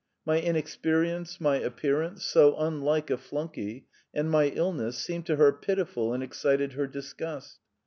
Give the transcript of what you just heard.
My inexperience, my appearance so unlike a flunkey and my illness, seemed to her pitiful and excited her disgust.